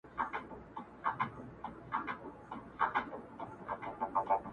په رګو کي د وجود مي لکه وینه،